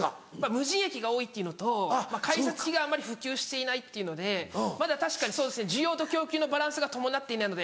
無人駅が多いっていうのと改札機があまり普及していないっていうのでまだ確かにそうですね需要と供給のバランスが伴っていないので。